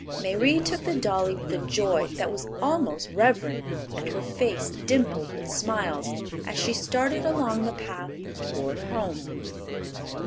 Mayrie took the dolly with a joy that was almost reverent, and her face dimpled with smiles as she started along the path toward home.